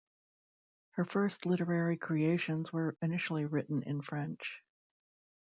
Her first literary creations were initially written in French.